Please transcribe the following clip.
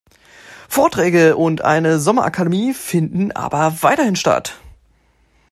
Vorträge und eine Sommerakademie finden aber weiterhin statt.